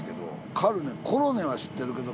コロネは知ってるけど。